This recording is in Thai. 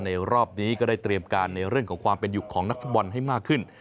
รอบนี้ก็ได้เตรียมการในเรื่องของความเป็นอยู่ของนักฟุตบอลให้มากขึ้น